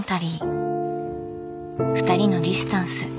「ふたりのディスタンス」。